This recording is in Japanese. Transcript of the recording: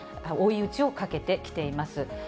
追い打ちをかけてきています。